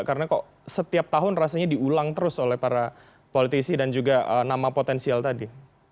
karena kok setiap tahun rasanya diulang terus oleh para politisi dan juga nama potensial tadi